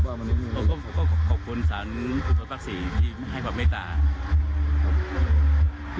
ผมก็ขอบคุณสรรคุณสมศักดิ์ศรีที่ให้ความไม่ตาย